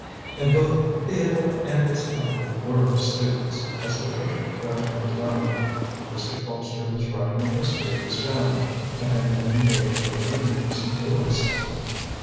And both Theodore and his uncle were students, as Patricia gradually learned. Mr. Colpster was writing a history of his family, and had been engaged for many years in doing so.